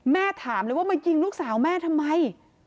ถามเลยว่ามายิงลูกสาวแม่ทำไม